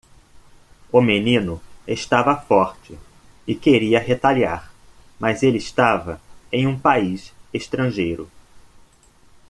O menino estava forte? e queria retaliar?, mas ele estava em um país estrangeiro.